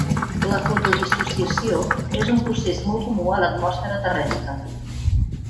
La fotodissociació és un procés molt comú a l'atmosfera terrestre.